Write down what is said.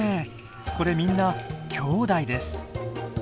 これみんなきょうだいです。